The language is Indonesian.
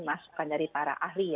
masukan dari para ahli